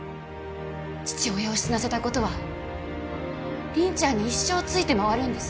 父親を死なせた事は凛ちゃんに一生ついて回るんです。